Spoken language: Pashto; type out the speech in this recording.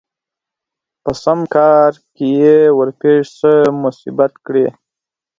په سم کار کې يې ورپېښ څه مصيبت کړي